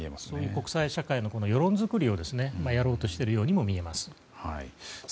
国際社会の世論づくりをやろうとしているようにも見えます。